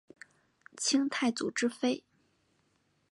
清太祖之妃。